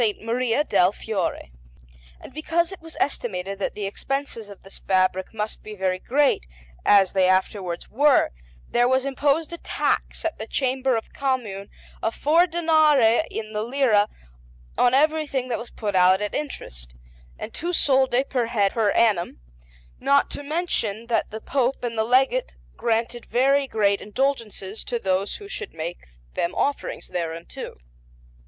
Maria del Fiore. And because it was estimated that the expenses of this fabric must be very great, as they afterwards were, there was imposed a tax at the Chamber of the Commune of four danari in the lira on everything that was put out at interest, and two soldi per head per annum; not to mention that the Pope and the Legate granted very great indulgences to those who should make them offerings thereunto.